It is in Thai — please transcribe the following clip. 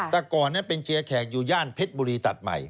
แต่ก่อนนั้นเป็นเชียร์แขกอยู่ย่านเพชรบุรีตัดใหม่